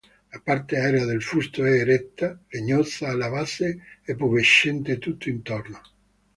La parte aerea del fusto è eretta, legnosa alla base e pubescente tutto intorno.